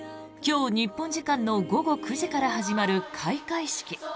今日、日本時間の午後９時から始まる開会式。